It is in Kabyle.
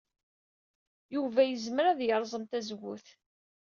Yuba yezmer ad yerẓem tazewwut.